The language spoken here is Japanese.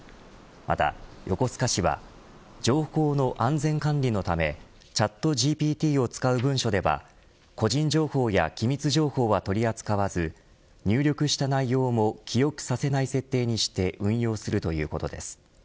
また、横須賀市は情報の安全管理のためチャットＧＰＴを使う文書では個人情報や機密情報は取り扱わず入力した内容も記憶させない設定にして運用するということです。